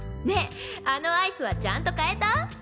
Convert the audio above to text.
ねぇあのアイスはちゃんと買えた？